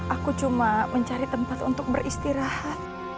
aku cuma mencari tempat untuk beristirahat